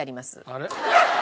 あれ？